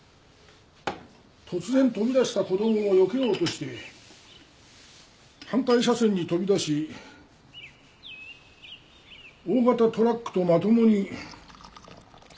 突然飛び出した子供をよけようとして反対車線に飛び出し大型トラックとまともに。